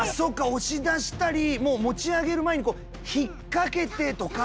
押し出したり持ち上げる前に引っかけてとか。